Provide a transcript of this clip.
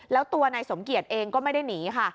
แล้วตัวนายสมเกียจเองก็ไม่ได้หนีค่ะ